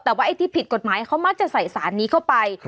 แต่ว่าไอ้ที่ผิดกฎหมายเขามักจะใส่สารนี้เข้าไป